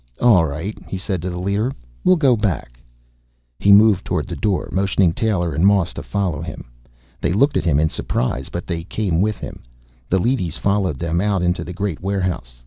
"All right," he said to the leader. "We'll go back." He moved toward the door, motioning Taylor and Moss to follow him. They looked at him in surprise, but they came with him. The leadys followed them out into the great warehouse.